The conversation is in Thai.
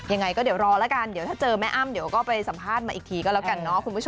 ยังไงก็เดี๋ยวรอแล้วกันเดี๋ยวถ้าเจอแม่อ้ำเดี๋ยวก็ไปสัมภาษณ์มาอีกทีก็แล้วกันเนาะคุณผู้ชม